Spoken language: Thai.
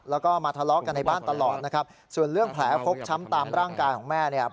แล้วก็มาทะเลาะกันในบ้านตลอดนะครับส่วนเรื่องแผลฟกช้ำตามร่างกายของแม่เนี่ย